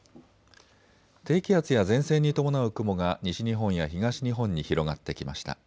低気圧や前線に伴う雲が西日本や東日本に広がってきました。